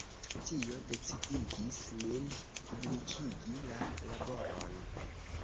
Tio decidigis min publikigi la laboron.